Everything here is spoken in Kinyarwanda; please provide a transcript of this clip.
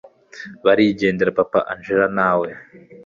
barigendera papa angella nawe